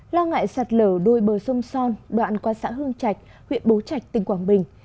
lo ngại sạt lở đuôi bờ sông son đoạn qua xã hương trạch huyện bố trạch tỉnh quảng bình